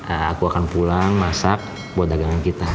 aku akan pulang masak buat dagangan kita